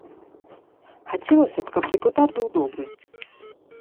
Хацелася б, каб дэпутат быў добры.